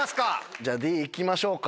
じゃあＤ行きましょうか。